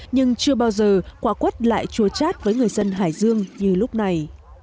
nhưng chưa bao giờ quả quất lại chua chát với người dân hải dương như lúc này